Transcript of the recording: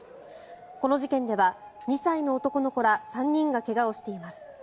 この事件では２歳の男の子ら３人が怪我をしています。